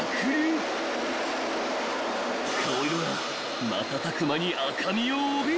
［顔色が瞬く間に赤みを帯びる］